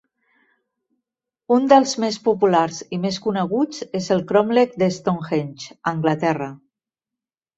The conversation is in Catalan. Un dels més populars i més coneguts és el cromlec de Stonehenge, a Anglaterra.